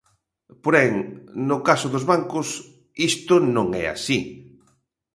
Porén, no caso dos bancos "isto non é así".